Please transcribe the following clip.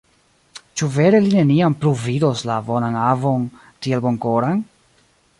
Ĉu vere li neniam plu vidos la bonan avon, tiel bonkoran?